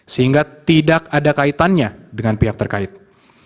sehingga tidak ada kaitannya dengan pihak terkait